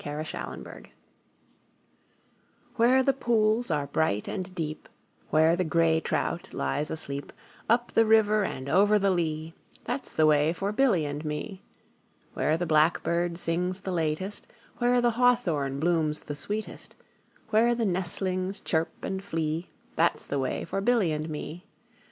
A Boy's Song WHERE the pools are bright and deep, Where the grey trout lies asleep, Up the river and over the lea, That 's the way for Billy and me. Where the blackbird sings the latest, 5 Where the hawthorn blooms the sweetest, Where the nestlings chirp and flee, That 's the way for Billy and me.